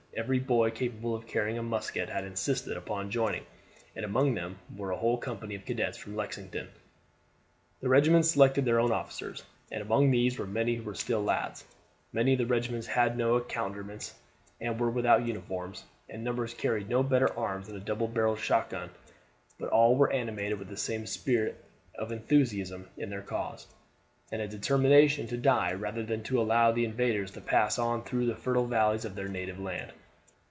Every boy capable of carrying a musket had insisted upon joining, and among them were a whole company of cadets from Lexington. The regiments selected their own officers, and among these were many who were still lads. Many of the regiments had no accouterments, and were without uniforms, and numbers carried no better arms than a double barreled shot gun; but all were animated with the same spirit of enthusiasm in their cause, and a determination to die rather than to allow the invaders to pass on through the fertile valleys of their native land.